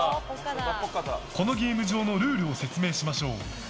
このゲーム場のルールを説明しましょう。